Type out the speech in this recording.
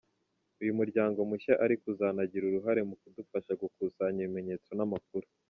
Uyu muryango mushya ariko uzanagira uruhare mu kudufasha gukusanya ibimenyetso n’amakuru .